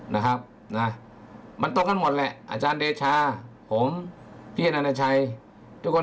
นะครับนะมันตรงกันหมดแหละอาจารย์เดชาผมพี่ธนาชัยทุกคน